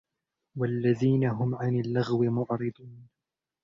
والذين هم عن اللغو معرضون